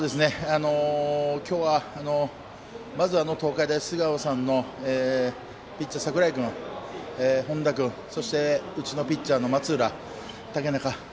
きょうはまずあの東海大菅生さんのピッチャー、櫻井君、本田君そして、うちのピッチャーの松浦竹中。